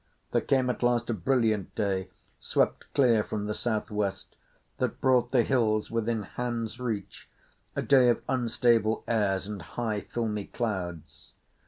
There came at last a brilliant day, swept clear from the south west, that brought the hills within hand's reach—a day of unstable airs and high filmy clouds.